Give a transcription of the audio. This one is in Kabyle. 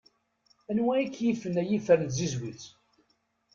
Anwa i k-yifen ay ifer n tzizwit?